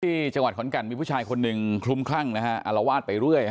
ที่จังหวัดขอนแก่นมีผู้ชายคนหนึ่งคลุมคลั่งนะฮะอารวาสไปเรื่อย